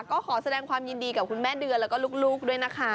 ก็ขอแสดงความยินดีกับคุณแม่เดือนแล้วก็ลูกด้วยนะคะ